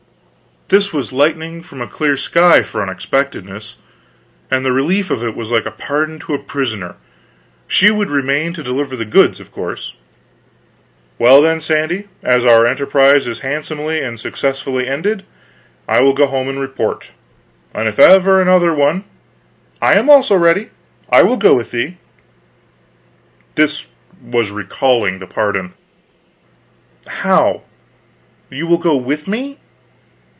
This was lightning from a clear sky, for unexpectedness; and the relief of it was like pardon to a prisoner. She would remain to deliver the goods, of course. "Well, then, Sandy, as our enterprise is handsomely and successfully ended, I will go home and report; and if ever another one " "I also am ready; I will go with thee." This was recalling the pardon. "How? You will go with me?